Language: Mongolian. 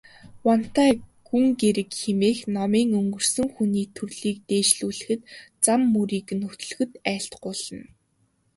Вантай гүнгэрэг хэмээх номыг өнгөрсөн хүний төрлийг дээшлүүлэхэд, зам мөрийг нь хөтлөхөд айлтгуулна.